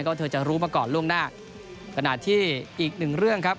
ก็เธอจะรู้มาก่อนล่วงหน้าขณะที่อีกหนึ่งเรื่องครับ